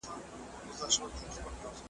تور قسمت په تا آرام نه دی لیدلی .